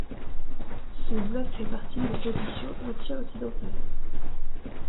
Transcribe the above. Ce bloc fait partie de l'opposition anti-occidentale.